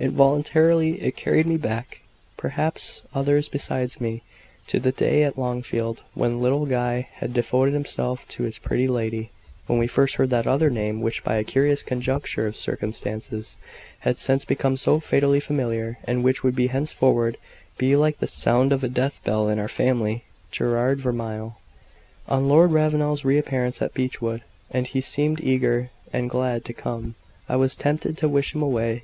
Involuntarily it carried me back perhaps others besides me to the day at Longfield when little Guy had devoted himself to his "pretty lady;" when we first heard that other name, which by a curious conjuncture of circumstances had since become so fatally familiar, and which would henceforward be like the sound of a death bell in our family Gerard Vermilye. On Lord Ravenel's re appearance at Beechwood and he seemed eager and glad to come I was tempted to wish him away.